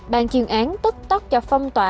bàn truyền án tức tắc cho phong tỏa